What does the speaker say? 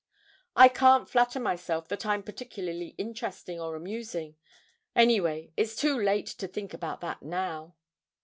I can't flatter myself that I'm particularly interesting or amusing; any way, it's too late to think about that now.'